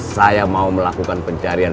saya mau melakukan pencarian